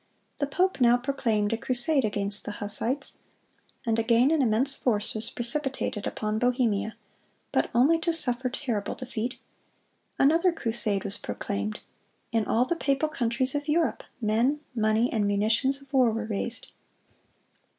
The pope now proclaimed a crusade against the Hussites, and again an immense force was precipitated upon Bohemia, but only to suffer terrible defeat. Another crusade was proclaimed. In all the papal countries of Europe, men, money, and munitions of war were raised.